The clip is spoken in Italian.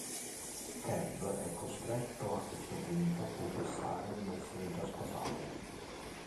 Kev è costretto a questo punto a confessare di essere già sposato.